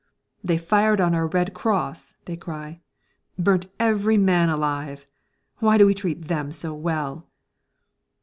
"They fired on our Red Cross!" they cry. "Burnt every man alive! Why do we treat them so well?"